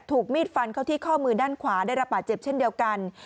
ถูกมีดฟันเข้าที่ข้อมือด้านขวาได้รับบาดเจ็บเช่นเดียวกัน